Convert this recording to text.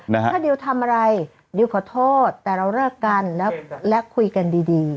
ถ้าดิวทำอะไรดิวขอโทษแต่เราเลิกกันและคุยกันดีดี